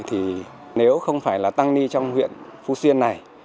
thì nếu không phải là tăng ni trong huyện phú xuyên này